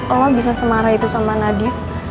udah bisa semarai tuh sama nadif